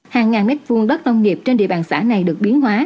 hàng ngàn mét vuông đất nông nghiệp trên địa bàn xã này được biến hóa